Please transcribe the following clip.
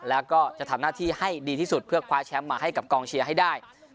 แล้วก็จะทำหน้าที่ให้ดีที่สุดเพื่อคว้าแชมป์มาให้กับกองเชียร์ให้ได้